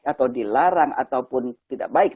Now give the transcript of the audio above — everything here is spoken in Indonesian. atau dilarang ataupun tidak baik